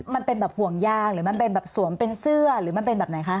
มันเป็นแบบห่วงยางหรือมันเป็นแบบสวมเป็นเสื้อหรือมันเป็นแบบไหนคะ